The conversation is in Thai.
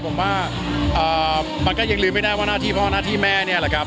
ผมว่ามันก็ยังลืมไม่ได้ว่าหน้าที่พ่อหน้าที่แม่เนี่ยแหละครับ